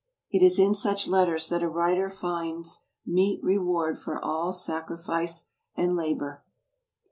It is in such letters that a writer finds meet reward for all sacrifice and labor.